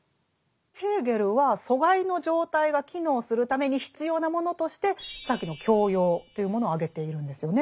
ヘーゲルは疎外の状態が機能するために必要なものとしてさっきの「教養」というものを挙げているんですよね。